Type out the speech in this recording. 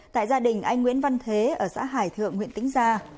tại gia đình anh nguyễn văn thế ở xã hải thượng huyện tĩnh gia